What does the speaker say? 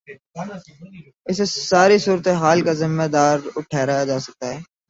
اسے ساری صورت حال کا ذمہ دار ٹھہرایا جا سکتا ہے۔